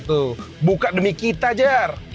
tuh buka demi kita jar